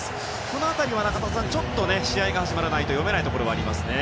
この辺りは試合が始まらないと読めないところがありますね。